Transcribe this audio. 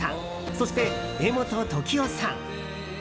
そして、柄本時生さん。